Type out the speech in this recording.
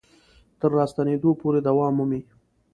تر راستنېدو پورې دوام مومي.